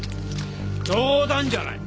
冗談じゃない。